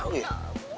gue gak tau ya